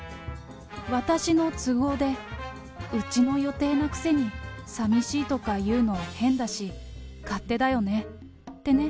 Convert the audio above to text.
私の都合でうちの予定なくせに、さみしいとか言うの変だし、勝手だよねてね。